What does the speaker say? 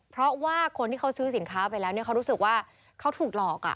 เพราะว่าคนที่เขาซื้อสินค้าไปแล้วเขารู้สึกว่าเขาถูกหลอก